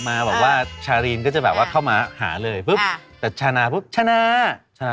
ไม่เคยรู้สึกว่าเราก็ว่านี่เป็นน่าที่ผู้หญิง